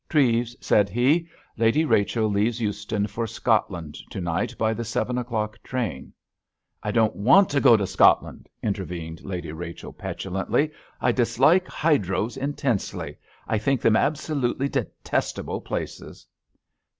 "Treves," said he, "Lady Rachel leaves Euston for Scotland to night by the seven o'clock train." "I don't want to go to Scotland!" intervened Lady Rachel petulantly. "I dislike hydros intensely; I think them absolutely detestable places!"